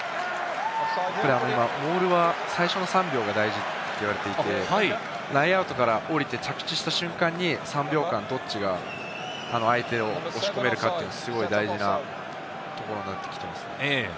モールは最初の３秒が大事と言われていて、ラインアウトから降りて着地した瞬間に３秒間どっちが相手を押し込めるかっていうのをすごく大事なところになってきてます。